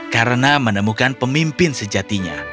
karena menemukan pemimpin sejatinya